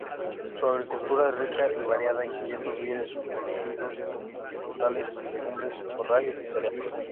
Su agricultura es rica y variada, incluyendo vides, olivos, frutales, legumbres, forrajes y cereales.